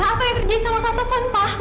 apa yang terjadi sama taufan